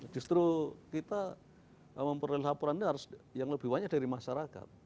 justru kita memperoleh laporan ini harus yang lebih banyak dari masyarakat